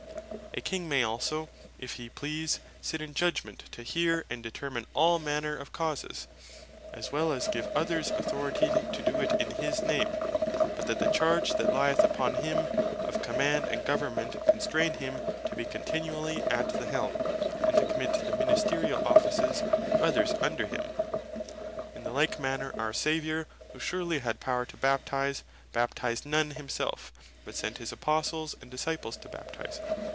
A King may also if he please, sit in Judgment, to hear and determine all manner of Causes, as well as give others authority to doe it in his name; but that the charge that lyeth upon him of Command and Government, constrain him to bee continually at the Helm, and to commit the Ministeriall Offices to others under him. In the like manner our Saviour (who surely had power to Baptize) Baptized none himselfe, but sent his Apostles and Disciples to Baptize.